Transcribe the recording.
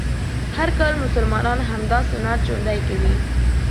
هر کال مسلمانان همدا سنت ژوندی کوي